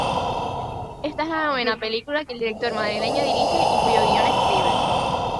Esta es la novena película que el director madrileño dirige y cuyo guion escribe.